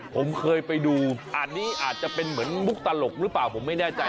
ผมเคยไปดูอันนี้อาจจะเป็นเหมือนมุกตลกหรือเปล่าผมไม่แน่ใจ